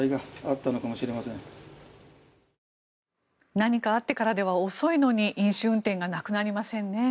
何かあってからでは遅いのに飲酒運転がなくなりませんね。